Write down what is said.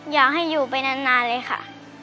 อยากให้อยู่ไปนานเลยค่ะ